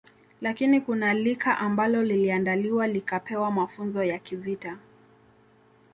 Lakini kuna lika ambalo liliandaliwa likapewa mafunzo ya kivita